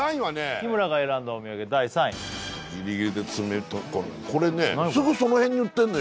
日村が選んだお土産第３位ギリギリでつめとこうこれねすぐその辺に売ってんのよ